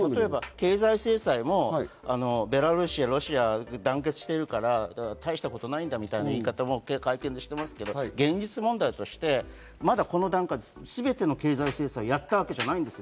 経済制裁もベラルーシやロシアが団結しているから大したことないんだみたいな言い方もしてますけど、現実問題として、全ての経済制裁やったわけじゃないんです。